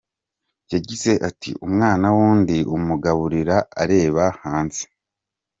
Yagize ati “Umwana w’undi umugaburira areba hanze.